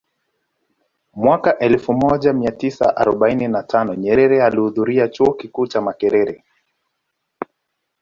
Mwaka elfu moja mia tisa arobaini na tano Nyerere alihudhuria Chuo Kikuu cha Makerere